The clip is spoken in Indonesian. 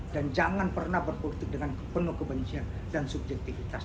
dan jangan pernah berpolitik dengan penuh kebencian dan subjektivitas